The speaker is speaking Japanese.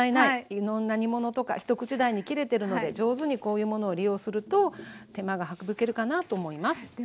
いろんな煮物とか一口大に切れてるので上手にこういうものを利用すると手間が省けるかなと思います。